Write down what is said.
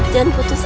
jangan putus asa